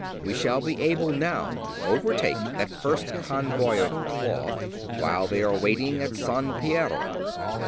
We shall be able now to overtake that first convoy of cloth, while they are waiting at San Piero.